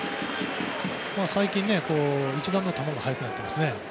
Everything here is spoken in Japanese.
最近、一段と球が速くなっていますね。